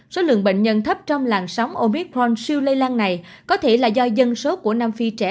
số lượng bệnh nhân thấp trong làn sóng obitron siêu lây lan này có thể là do dân số của nam phi trẻ